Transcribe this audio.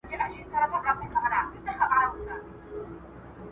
ځه د جهاني وروستي خزان ته غزل ولیکو `